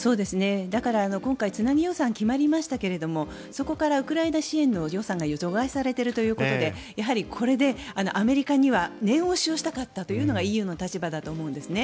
だから今回、つなぎ予算が決まりましたがそこからウクライナ支援の予算が除外されているということでやはり、これでアメリカには念押しをしたかったというのがＥＵの立場だと思うんですね。